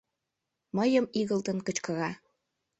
Мыйым игылтын кычкыра.